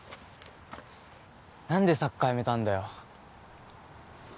何でサッカーやめたんだよ